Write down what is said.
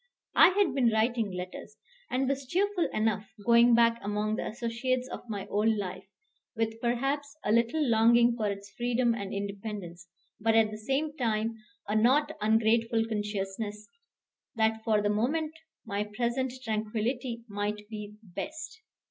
I had been writing letters, and was cheerful enough, going back among the associates of my old life, with, perhaps, a little longing for its freedom and independence, but at the same time a not ungrateful consciousness that for the moment my present tranquillity might be best.